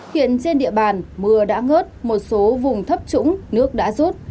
hiện trên địa bàn mưa đã ngớt một số vùng thấp trũng nước đã rút